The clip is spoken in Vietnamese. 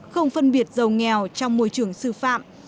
không phân biệt giàu nghèo trong môi trường sư phạm